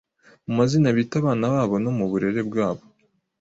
mu mazina bita abana babo no mu burere bwabo.